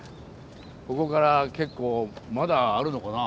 ここから結構まだあるのかな。